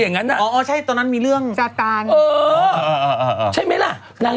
อย่างนั้นอ่ะอ๋อใช่ตอนนั้นมีเรื่องสาตานใช่ไหมล่ะนาง